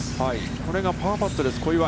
これがパーパットです、小祝。